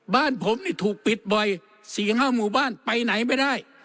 บ้านผมนี่ถูกปิดบ่อย๔๕หมู่บ้านไปไหนไม่ได้